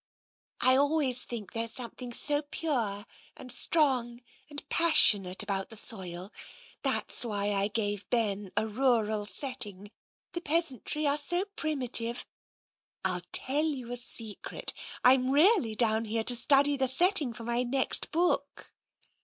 " I always think there's something so pure and strong and passionate about the soil. That's why I gave Ben a rural setting. The peasantry are so primitive. I'll tell you a secret. I'm really down here to study the setting for my next book."